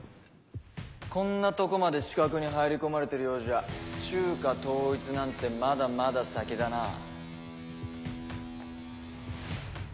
こんなとこまで刺客に入り込まれてるようじゃ中華統一なんてまだまだ先だなぁ。